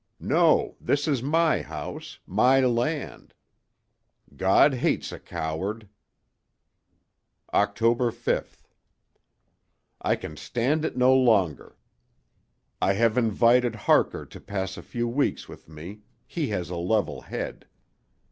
No, this is my house, my land. God hates a coward ... "Oct. 5.—I can stand it no longer; I have invited Harker to pass a few weeks with me—he has a level head.